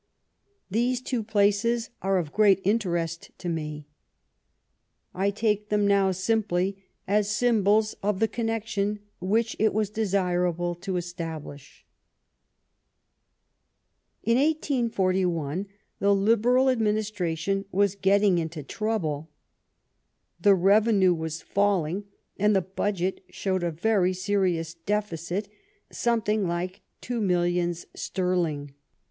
These two places are of great interest to me. I take them now simply as symbols of the connection which it was desirable to establish." In 1 84 1 the Liberal administration was getting into trouble. The revenue was falling and the budget showed a very serious deficit, something like two millions sterling.